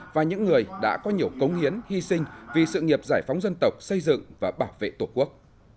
và những người đã có nhiều cống hiến hy sinh vì sự nghiệp giải phóng dân tộc xây dựng và bảo vệ tổ quốc